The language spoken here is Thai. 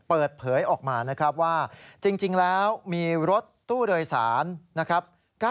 เปิดเผยออกมานะครับว่าจริงแล้วมีรถตู้โดยสารนะครับ